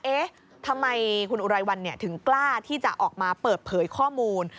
เอ๊ะทำไมคุณอุไรวันถึงกล้าที่จะออกมาเปิดเผยข้อมูล